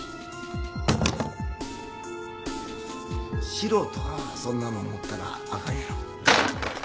素人がそんなもん持ったらあかんやろ。